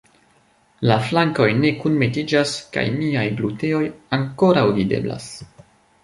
La flankoj ne kunmetiĝas kaj miaj gluteoj ankoraŭ videblas!